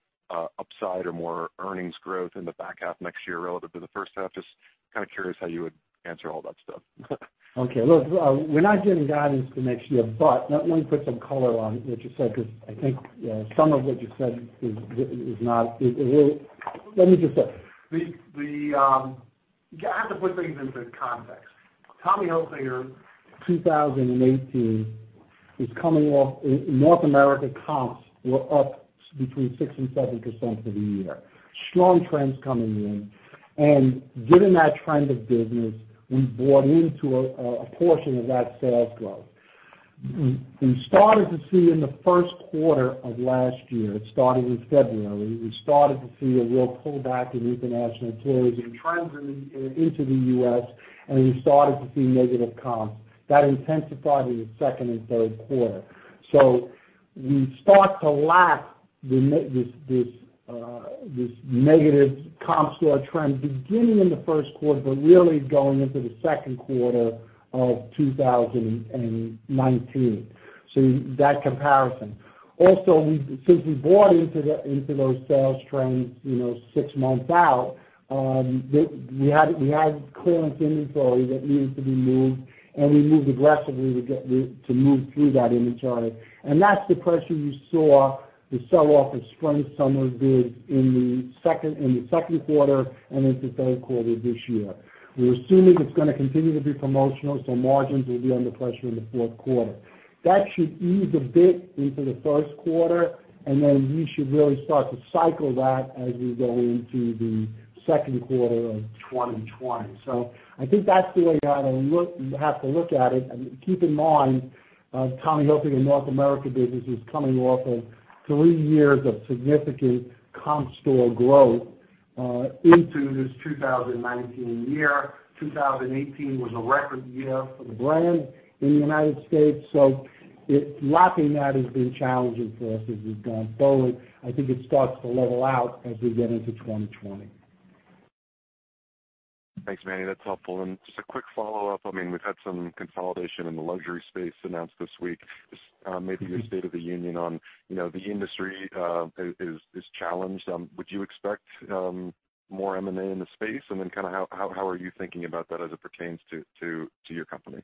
upside or more earnings growth in the back half next year relative to the first half? Just kind of curious how you would answer all that stuff. Okay. Look, we're not giving guidance for next year. Let me put some color on what you said. I think some of what you said is not, let me just say. You have to put things into context. Tommy Hilfiger 2018 is coming off. North America comps were up between 6% and 7% for the year. Strong trends coming in. Given that trend of business, we bought into a portion of that sales growth. We started to see in the first quarter of last year, starting in February, we started to see a real pullback in international tourism trends into the U.S. We started to see negative comps. That intensified in the second and third quarter. We start to lap this negative comp store trend beginning in the first quarter but really going into the second quarter of 2019. That comparison. Since we bought into those sales trends 6 months out, we had clearance inventory that needed to be moved, and we moved aggressively to move through that inventory. That's the pressure you saw the sell-off of spring/summer goods in the second quarter and into third quarter this year. We're assuming it's going to continue to be promotional, margins will be under pressure in the fourth quarter. That should ease a bit into the first quarter, we should really start to cycle that as we go into the second quarter of 2020. I think that's the way you have to look at it. Keep in mind, Tommy Hilfiger North America business is coming off of three years of significant comp store growth into this 2019 year. 2018 was a record year for the brand in the U.S. Lapping that has been challenging for us as we've gone forward. I think it starts to level out as we get into 2020. Thanks, Manny. That's helpful. Just a quick follow-up. We've had some consolidation in the luxury space announced this week. Just maybe your state of the union on the industry is challenged. Would you expect more M&A in the space? How are you thinking about that as it pertains to your company?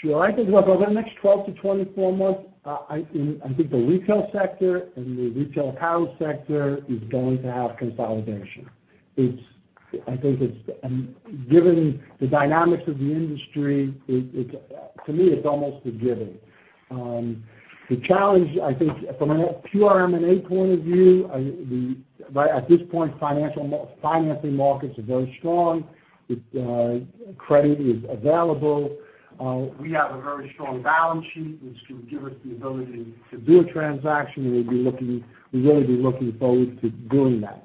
Sure. I think over the next 12 to 24 months, I think the retail sector and the retail apparel sector is going to have consolidation. Given the dynamics of the industry, to me, it's almost a given. The challenge, I think from a pure M&A point of view, at this point, financing markets are very strong. Credit is available. We have a very strong balance sheet, which can give us the ability to do a transaction, and we'd really be looking forward to doing that.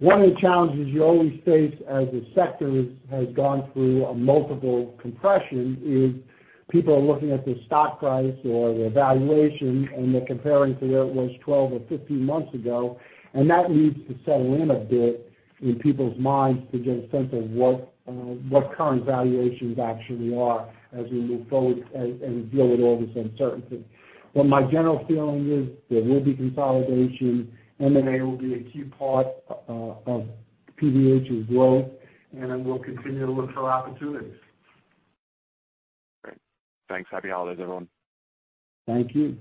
One of the challenges you always face as the sector has gone through a multiple compression is people are looking at the stock price or the valuation, and they're comparing to where it was 12 or 15 months ago, and that needs to settle in a bit in people's minds to get a sense of what current valuations actually are as we move forward and deal with all this uncertainty. My general feeling is there will be consolidation. M&A will be a key part of PVH's growth, and we'll continue to look for opportunities. Great. Thanks. Happy holidays, everyone. Thank you.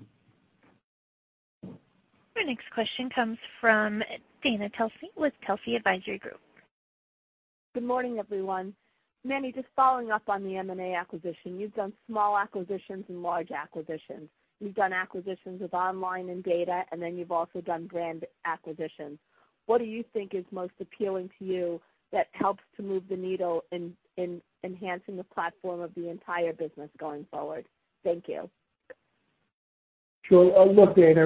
Your next question comes from Dana Telsey with Telsey Advisory Group. Good morning, everyone. Manny, just following up on the M&A acquisition. You've done small acquisitions and large acquisitions. You've done acquisitions with online and data, and then you've also done brand acquisitions. What do you think is most appealing to you that helps to move the needle in enhancing the platform of the entire business going forward? Thank you. Sure. Look, Dana,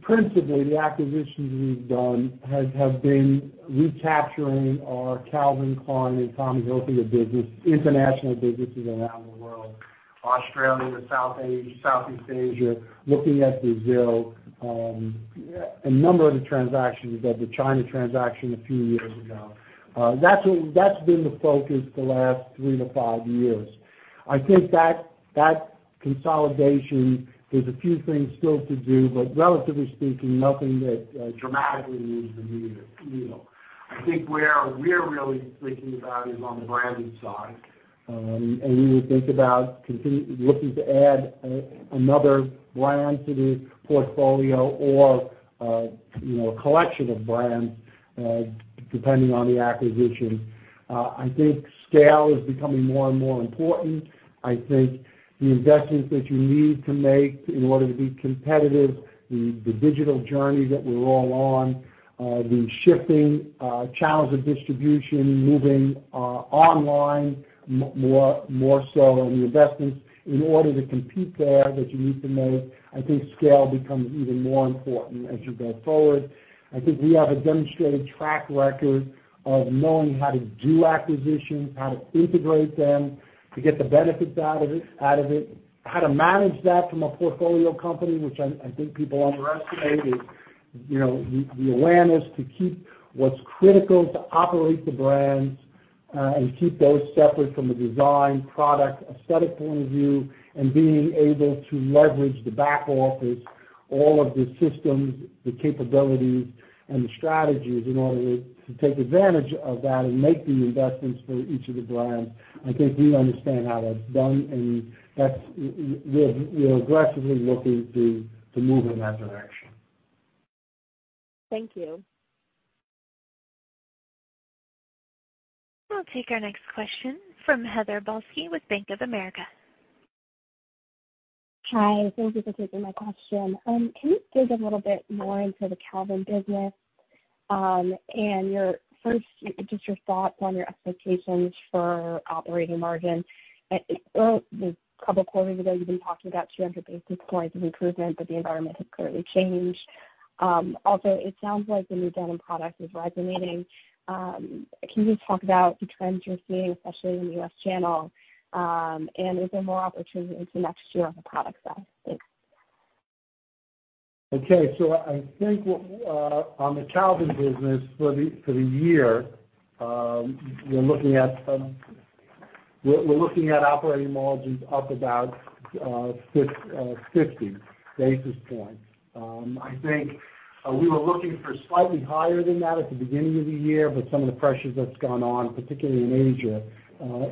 principally, the acquisitions we've done have been recapturing our Calvin Klein and Tommy Hilfiger business, international businesses around the world, Australia, South Asia, Southeast Asia, looking at Brazil, a number of the transactions, we've got the China transaction a few years ago. That's been the focus the last three to five years. I think that consolidation, there's a few things still to do, but relatively speaking, nothing that dramatically moves the needle. I think where we're really thinking about is on the branded side. We would think about looking to add another brand to the portfolio or a collection of brands, depending on the acquisition. I think scale is becoming more and more important. I think the investments that you need to make in order to be competitive, the digital journey that we're all on, the shifting channels of distribution, moving online, and more so on the investments in order to compete there that you need to make. I think scale becomes even more important as you go forward. I think we have a demonstrated track record of knowing how to do acquisitions, how to integrate them, to get the benefits out of it, how to manage that from a portfolio company, which I think people underestimate is the awareness to keep what's critical to operate the brands, and keep those separate from a design, product, aesthetic point of view, and being able to leverage the back office, all of the systems, the capabilities, and the strategies in order to take advantage of that and make the investments for each of the brands. I think we understand how that's done, and we're aggressively looking to move in that direction. Thank you. We'll take our next question from Heather Balsky with Bank of America. Hi, thank you for taking my question. Can you dig a little bit more into the Calvin business? First, just your thoughts on your expectations for operating margin. A couple of quarters ago, you've been talking about 200 basis points of improvement, but the environment has clearly changed. Also, it sounds like the new denim product is resonating. Can you talk about the trends you're seeing, especially in the U.S. channel? Is there more opportunity into next year on the product side? Thanks. I think on the Calvin business for the year, we're looking at operating margins up about 50 basis points. I think we were looking for slightly higher than that at the beginning of the year, some of the pressures that's gone on, particularly in Asia,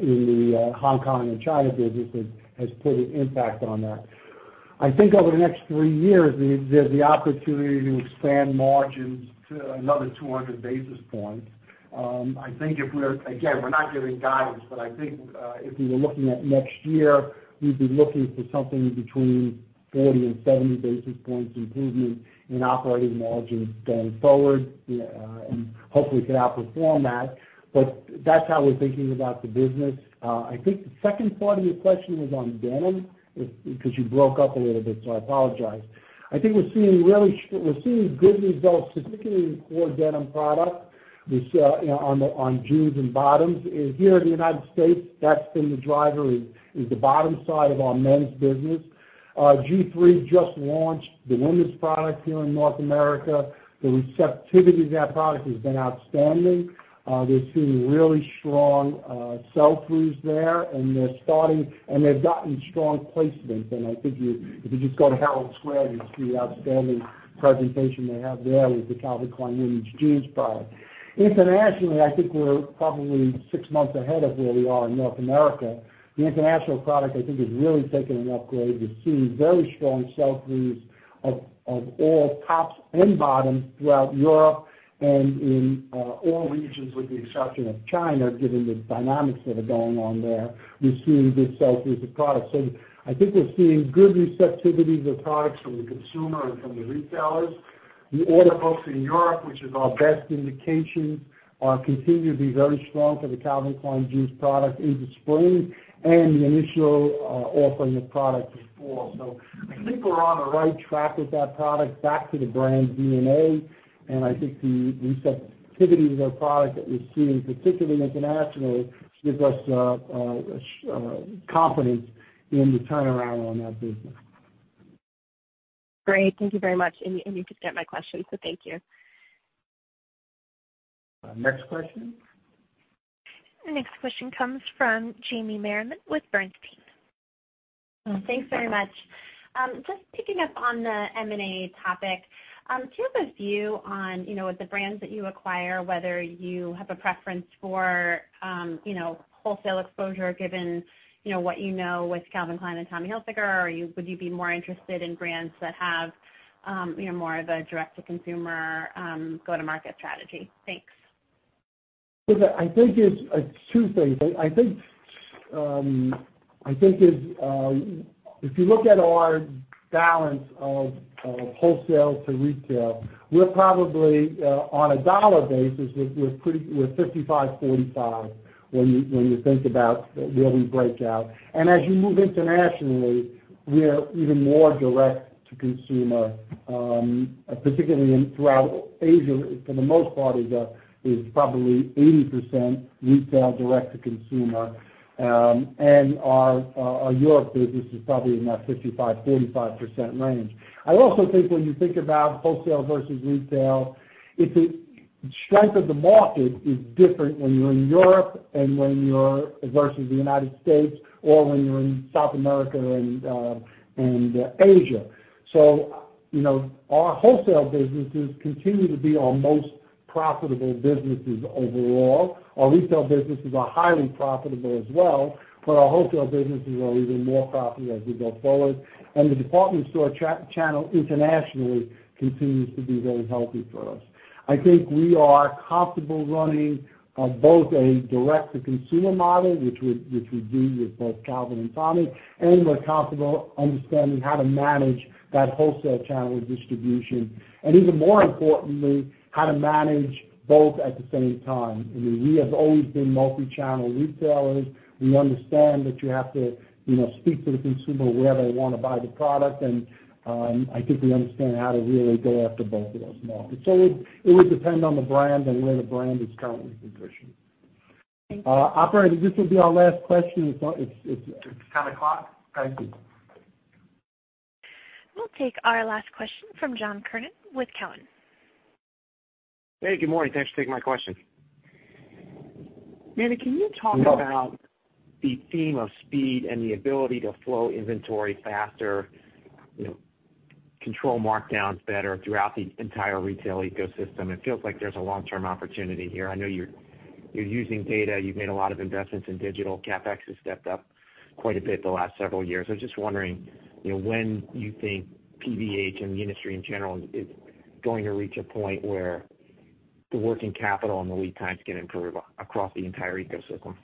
in the Hong Kong and China businesses, has put an impact on that. I think over the next three years, there's the opportunity to expand margins to another 200 basis points. Again, we're not giving guidance, but I think if we were looking at next year, we'd be looking for something between 40 and 70 basis points improvement in operating margins going forward. Hopefully, could outperform that, but that's how we're thinking about the business. I think the second part of your question was on denim, because you broke up a little bit, so I apologize. I think we're seeing good results, particularly in core denim product on jeans and bottoms. Here in the U.S., that's been the driver in the bottom side of our men's business. G-III just launched the women's product here in North America. The receptivity to that product has been outstanding. We're seeing really strong sell-throughs there, and they've gotten strong placement. I think if you just go to Herald Square, you'd see the outstanding presentation they have there with the Calvin Klein Women's Jeans product. Internationally, I think we're probably six months ahead of where we are in North America. The international product, I think, has really taken an upgrade. We're seeing very strong sell-throughs of all tops and bottoms throughout Europe and in all regions, with the exception of China, given the dynamics that are going on there. We're seeing good sell-throughs of product. I think we're seeing good receptivity of the products from the consumer and from the retailers. The order books in Europe, which is our best indication, continue to be very strong for the Calvin Klein Jeans product in the spring and the initial offering of product in fall. I think we're on the right track with that product, back to the brand's DNA. I think the receptivity to the product that we're seeing, particularly internationally, gives us confidence in the turnaround on that business. Great. Thank you very much. You did get my question, thank you. Next question. The next question comes from Jamie Merriman with Bernstein. Thanks very much. Just picking up on the M&A topic. Do you have a view on, with the brands that you acquire, whether you have a preference for wholesale exposure given what you know with Calvin Klein and Tommy Hilfiger? Or would you be more interested in brands that have more of a direct-to-consumer go-to-market strategy? Thanks. I think it's two things. I think if you look at our balance of wholesale to retail, we're probably, on a dollar basis, we're 55/45 when you think about where we break out. As you move internationally, we are even more direct to consumer, particularly throughout Asia, for the most part, is probably 80% retail direct to consumer. Our Europe business is probably in that 55%-45% range. I also think when you think about wholesale versus retail, the strength of the market is different when you're in Europe versus the United States or when you're in South America and Asia. Our wholesale businesses continue to be our most profitable businesses overall. Our retail businesses are highly profitable as well, but our wholesale businesses are even more profitable as we go forward. The department store channel internationally continues to be very healthy for us. I think we are comfortable running both a direct-to-consumer model, which we do with both Calvin and Tommy, and we're comfortable understanding how to manage that wholesale channel distribution, and even more importantly, how to manage both at the same time. We have always been multi-channel retailers. We understand that you have to speak to the consumer where they want to buy the product, and I think we understand how to really go after both of those markets. It would depend on the brand and where the brand is currently positioned. Thank you. Operator, this will be our last question. It's 10:00 o'clock? Thank you. We'll take our last question from John Kernan with Cowen. Hey, good morning. Thanks for taking my question. Manny, can you talk about the theme of speed and the ability to flow inventory faster, control markdowns better throughout the entire retail ecosystem? It feels like there's a long-term opportunity here. I know you're using data. You've made a lot of investments in digital. CapEx has stepped up quite a bit the last several years. I was just wondering when you think PVH and the industry in general is going to reach a point where the working capital and the lead times can improve across the entire ecosystem.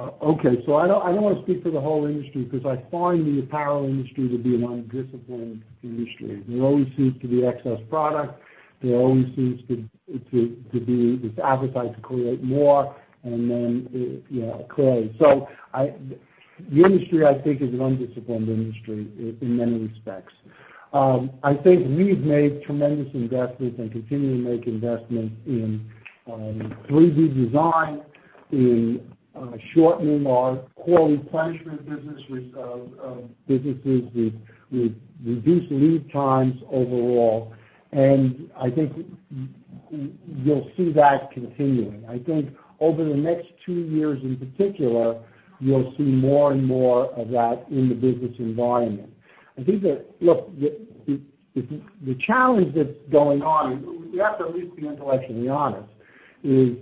Okay, I don't want to speak for the whole industry because I find the apparel industry to be an undisciplined industry. There always seems to be excess product. There always seems to be this appetite to create more, and then it creates. The industry, I think, is an undisciplined industry in many respects. I think we've made tremendous investments and continue to make investments in 3D design, in shortening our core replenishment businesses with reduced lead times overall. I think you'll see that continuing. I think over the next two years in particular, you'll see more and more of that in the business environment. I think that, look, the challenge that's going on, we have to at least be intellectually honest, is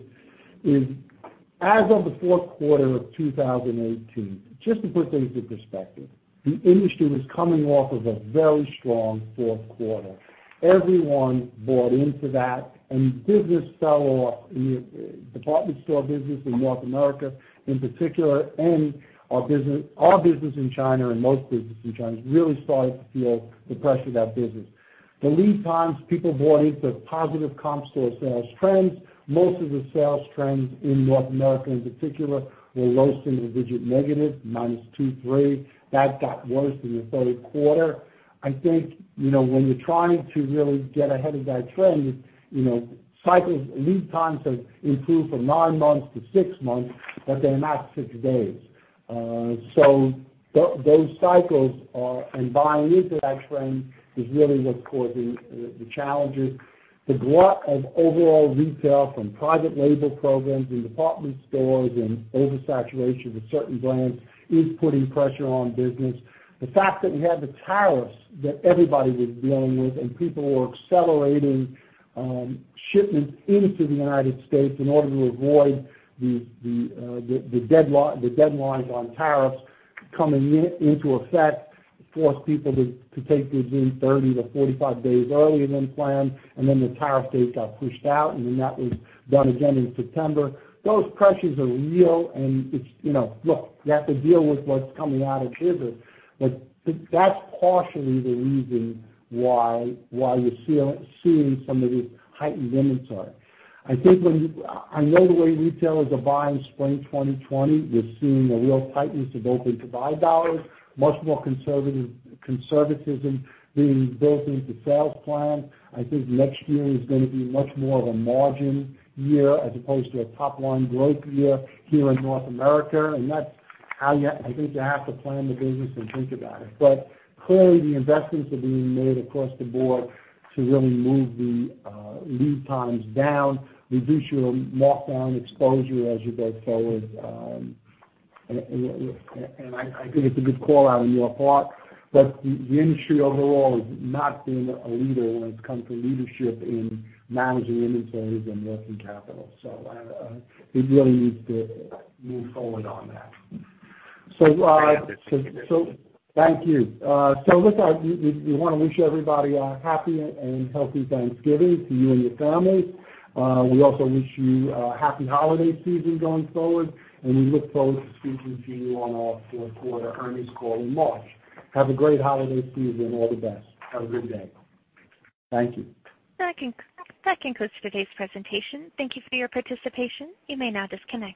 as of the fourth quarter of 2018, just to put things in perspective, the industry was coming off of a very strong fourth quarter. Everyone bought into that and business fell off. Department store business in North America in particular, and our business in China and most businesses in China, really started to feel the pressure of that business. The lead times, people bought into positive comp store sales trends. Most of the sales trends in North America in particular, were low single-digit negative, -2%, -3%. That got worse in the third quarter. I think, when you're trying to really get ahead of that trend, lead times have improved from nine months to six months, but they're not six days. Those cycles and buying into that trend is really what's causing the challenges. The glut of overall retail from private label programs and department stores and oversaturation with certain brands is putting pressure on business. The fact that we had the tariffs that everybody was dealing with and people were accelerating shipments into the United States in order to avoid the deadlines on tariffs coming into effect forced people to take deliveries 30 to 45 days earlier than planned, and then the tariff dates got pushed out, and then that was done again in September. Those pressures are real, and look, you have to deal with what's coming out of here, but that's partially the reason why you're seeing some of these heightened inventories. I know the way retailers are buying spring 2020. We're seeing a real tightness of open-to-buy dollars, much more conservatism being built into sales plans. I think next year is going to be much more of a margin year as opposed to a top-line growth year here in North America, and that's how I think you have to plan the business and think about it. Clearly, the investments are being made across the board to really move the lead times down, reduce your markdown exposure as you go forward. I think it's a good call-out on your part. The industry overall has not been a leader when it's come to leadership in managing inventories and working capital. It really needs to move forward on that. Thank you. Listen, we want to wish everybody a happy and healthy Thanksgiving to you and your families. We also wish you a happy holiday season going forward, and we look forward to speaking to you on our fourth quarter earnings call in March. Have a great holiday season. All the best. Have a good day. Thank you. That concludes today's presentation. Thank you for your participation. You may now disconnect.